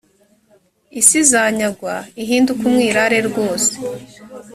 isi izanyagwa ihinduke umwirare rwose